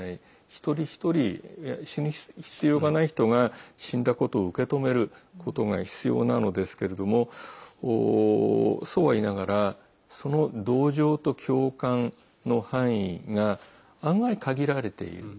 一人一人、死ぬ必要がない人が死んだことを受け止めることが必要なのですけれどもそうは言いながらその同情と共感の範囲が案外、限られている。